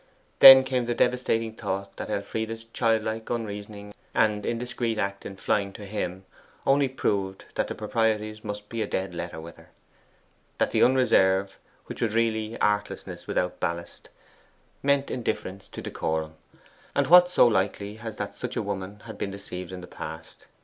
Then came the devastating thought that Elfride's childlike, unreasoning, and indiscreet act in flying to him only proved that the proprieties must be a dead letter with her; that the unreserve, which was really artlessness without ballast, meant indifference to decorum; and what so likely as that such a woman had been deceived in the past?